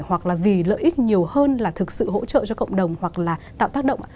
hoặc là vì lợi ích nhiều hơn là thực sự hỗ trợ cho cộng đồng hoặc là tạo tác động